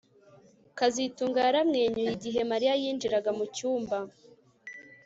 kazitunga yaramwenyuye igihe Mariya yinjiraga mu cyumba